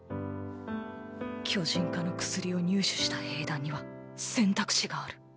巨人化の薬を入手した兵団には選択肢がある。